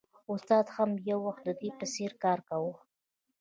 استاد هم یو وخت د ده په څېر کار کاوه